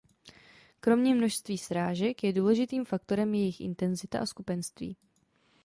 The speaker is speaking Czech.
Kromě množství srážek je důležitým faktorem jejich intenzita a skupenství.